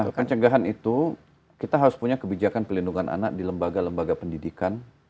nah pencegahan itu kita harus punya kebijakan pelindungan anak di lembaga lembaga pendidikan